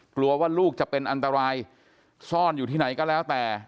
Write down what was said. กลัวว่าลูกจะเป็นอันตรายซ่อนอยู่ที่ไหนก็แล้วแต่